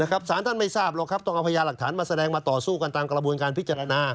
สารท่านไม่ทราบหรอกครับต้องเอาพญาหลักฐานมาแสดงมาต่อสู้กันตามกระบวนการพิจารณา